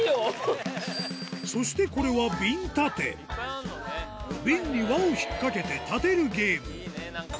そしてこれは瓶立て瓶に輪を引っかけて立てる